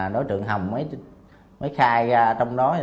đối tượng hồng mới khai ra trong đó